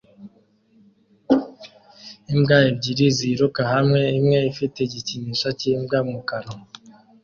Imbwa ebyiri ziruka hamwe imwe ifite igikinisho cyimbwa mu kanwa